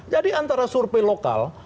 jadi antara survei lokal